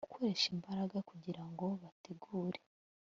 gukoresha imbaraga kugira ngo bategure